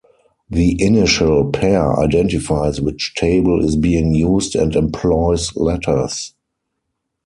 The initial pair identifies which table is being used and employs letters.